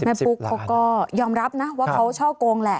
ปุ๊กเขาก็ยอมรับนะว่าเขาช่อกงแหละ